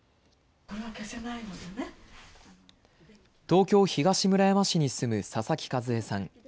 東京・東村山市に住む佐々木和恵さん。